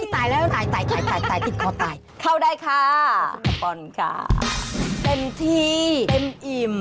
ตายแล้วตายติดคอตายเข้าได้ค่ะเพิ่มที่เต็มอิ่ม